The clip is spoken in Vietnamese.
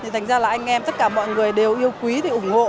thành ra là anh em tất cả mọi người đều yêu quý thì ủng hộ